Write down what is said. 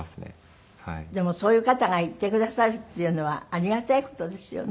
でもそういう方がいてくださるっていうのはありがたい事ですよね。